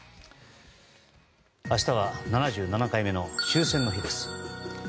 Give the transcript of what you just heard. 明日は７７回目の終戦の日です。